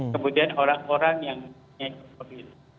kemudian orang orang yang punya pemilu